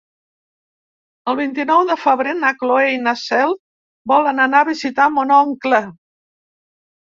El vint-i-nou de febrer na Cloè i na Cel volen anar a visitar mon oncle.